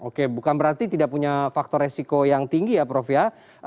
oke bukan berarti tidak punya faktor resiko yang tinggi ya prof ya